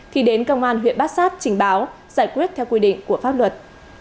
khi đến công an huyện bác sát trình báo giải quyết theo quy định của pháp luật